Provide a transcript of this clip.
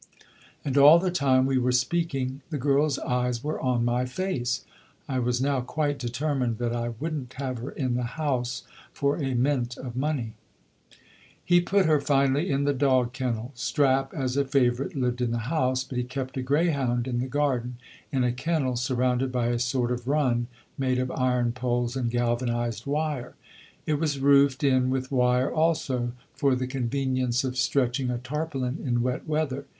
And all the time we were speaking the girl's eyes were on my face. I was now quite determined that I wouldn't have her in the house for a mint of money." He put her, finally, in the dog kennel. Strap, as a favourite, lived in the house; but he kept a greyhound in the garden, in a kennel surrounded by a sort of run made of iron poles and galvanised wire. It was roofed in with wire also, for the convenience of stretching a tarpaulin in wet weather.